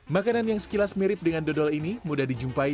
makanan yang sekilas mirip dengan dodol ini mudah dijumpai